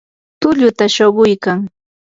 tulluta shuquykan.